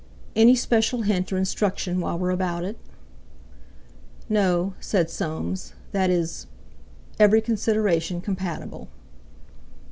Any special hint or instruction while we're about it?" "No," said Soames; "that is—every consideration compatible."